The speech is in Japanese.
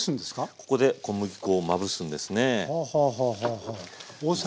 ここで小麦粉をまぶすんですね。